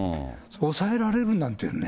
抑えられるなんていうね。